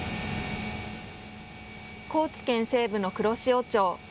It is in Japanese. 高知県西部の黒潮町。